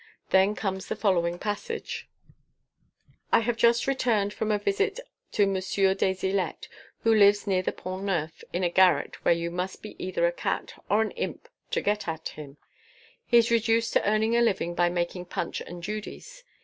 Then comes the following passage: _"I have just returned from a visit to Monsieur des Ilettes, who lives near the Pont Neuf in a garret where you must be either a cat or an imp to get at him; he is reduced to earning a living by making punch and judies.